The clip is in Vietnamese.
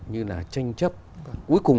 như là tranh chấp cuối cùng